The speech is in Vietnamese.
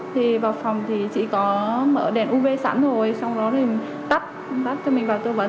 thì vào phòng thì chỉ có mở đèn uv sẵn rồi xong rồi tắt cho mình vào tư vấn